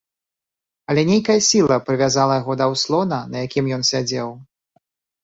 Але нейкая сіла прывязвала яго да ўслона, на якім ён сядзеў.